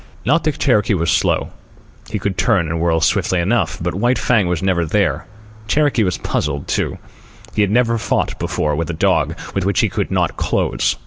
Not that Cherokee was slow. He could turn and whirl swiftly enough, but White Fang was never there. Cherokee was puzzled, too. He had never fought before with a dog with which he could not close.